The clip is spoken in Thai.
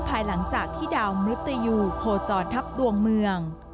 ภายหลังจากที่ดาวมรุตยูโคจรทัพดวงเมือง